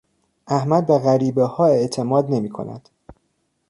احمد به غریبهها اعتماد نمیکند.